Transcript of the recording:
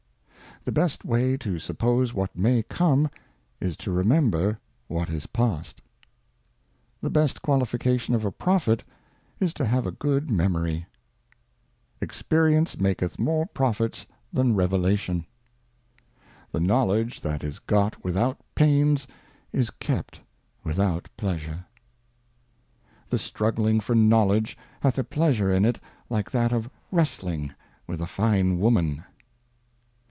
"• THE best way to suppose what may come, is to remember E.rp/' what is past. "^"'^■ The best Qualification of a Prophet is to have a good^^^ Memoiy. Experience maketh more Prophets than Revelation.^. The Knowledge that is got without Pains, is kept without Pleasure. The Struggling for Knowledge hath a Pleasure in it like that of Wrestling with a fine Woman.